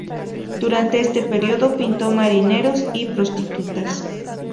Durante este periodo, pintó marineros y prostitutas.